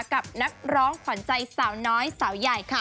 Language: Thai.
กับนักร้องขวัญใจสาวน้อยสาวใหญ่ค่ะ